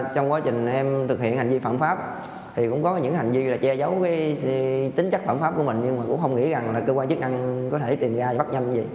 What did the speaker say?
trong quá trình em thực hiện hành vi phạm pháp thì cũng có những hành vi là che giấu tính chất phẩm pháp của mình nhưng mà cũng không nghĩ rằng là cơ quan chức năng có thể tìm ra bắt nhanh như vậy